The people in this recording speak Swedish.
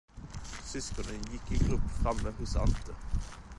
Syskonen gick i grupp framme hos Ante.